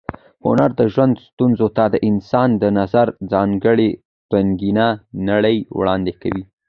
هنر د ژوند ستونزو ته د انسان د نظر ځانګړې رنګینه نړۍ وړاندې کوي.